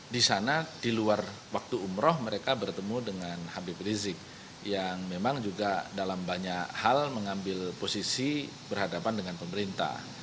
di sana di luar waktu umroh mereka bertemu dengan habib rizik yang memang juga dalam banyak hal mengambil posisi berhadapan dengan pemerintah